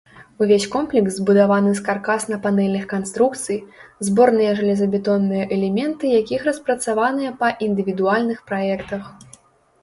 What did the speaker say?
Увесь комплекс збудаваны з каркасна-панэльных канструкцый, зборныя жалезабетонныя элементы якіх распрацаваныя па індывідуальных праектах.